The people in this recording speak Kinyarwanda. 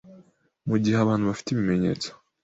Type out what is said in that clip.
Mu gihe abantu bafite ibimenyetso